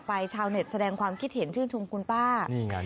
แผ่เสียงด่าไป